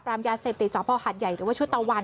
ปรับปรับยาเสพติดสองพ่อหัดใหญ่หรือว่าชุดตะวัน